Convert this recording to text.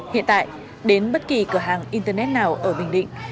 hiện tại đến bất kỳ cửa hàng internet nào ở bình định